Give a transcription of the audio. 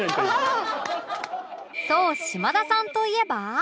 そう島田さんといえば